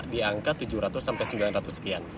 diangkat tujuh ratus sembilan ratus sekian